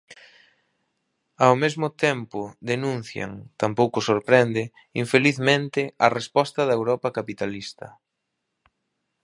Ao mesmo tempo, denuncian, tampouco sorprende, infelizmente, a resposta da Europa capitalista.